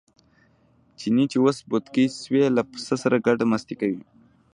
چیني چې اوس بوتکی شوی له پسه سره ګډه مستي کوي.